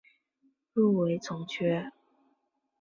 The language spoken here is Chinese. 入围从缺。